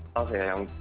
tahu ya yang